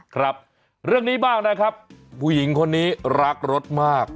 ครับเรื่องนี้บ้างนะครับผู้หญิงคนนี้รักรถมาก